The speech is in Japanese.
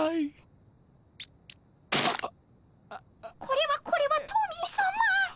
これはこれはトミーさま。